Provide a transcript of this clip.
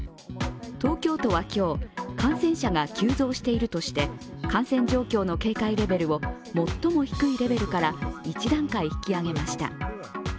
東京都は今日、感染者が急増しているとして、感染状況の警戒レベルを最も低いレベルから１段階引き上げました。